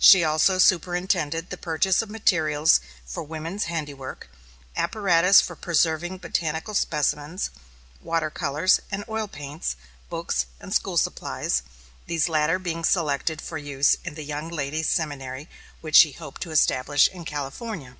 She also superintended the purchase of materials for women's handiwork, apparatus for preserving botanical specimens, water colors and oil paints, books and school supplies; these latter being selected for use in the young ladies' seminary which she hoped to establish in California.